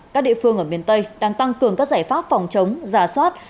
các địa phương ở miền tây đang tăng cường các giải pháp phòng chống giả soát